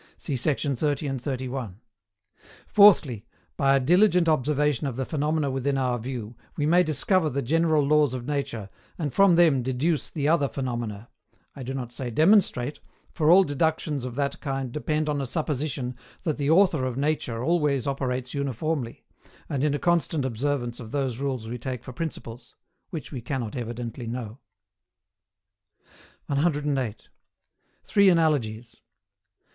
See sect. 30 and 31 Fourthly, by a diligent observation of the phenomena within our view, we may discover the general laws of nature, and from them deduce the other phenomena; I do not say demonstrate, for all deductions of that kind depend on a supposition that the Author of nature always operates uniformly, and in a constant observance of those rules we take for principles: which we cannot evidently know. 108. THREE ANALOGIES.